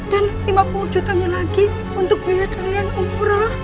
dan lima puluh juta lagi untuk biaya kalian umroh